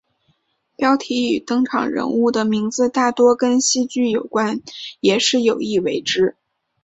标题与登场人物的名字大多跟戏剧有关也是有意为之。